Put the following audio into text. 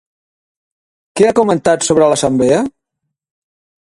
Què ha comentat sobre l'assemblea?